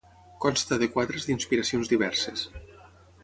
Consta de quadres d'inspiracions diverses.